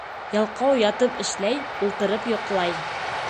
Ялҡау ятып эшләй, ултырып йоҡлай.